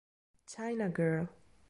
China Girl